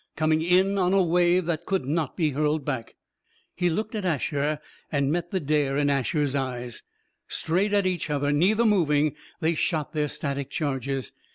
Coming on in a wave that could not be hurled back. He looked at Asher, and met the dare in Asher's eyes. Straight at each other, neither moving, they shot their static charges.